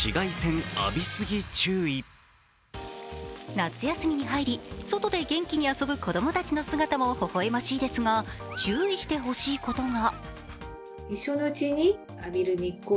夏休みに入り、外で元気に遊ぶ子供たちの姿もほほ笑ましいですが、注意してほしいことが。